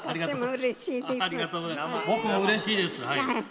僕もうれしいです。